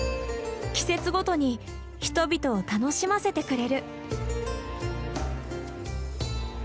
季節ごとに人々を楽しませてくれる。